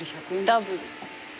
ダブル。